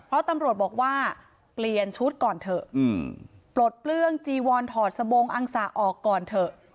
เพราะตำรวจบอกว่าเปลี่ยนชุดก่อนเถอะปลดเปลื้องจีวอนถอดสบงอังสะออกก่อนเถอะ